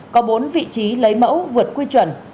có bốn vị trí lấy mẫu vượt quy chuẩn